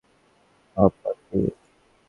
আপা, কে?